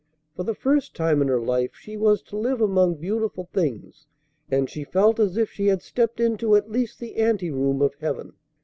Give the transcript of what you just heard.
For the first time in her life she was to live among beautiful things, and she felt as if she had stepped into at least the anteroom of heaven.